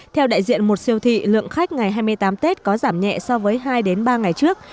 theo đại diện một siêu thị lượng khách ngày hai mươi tám tết có giảm nhẹ so với hai ba ngày trước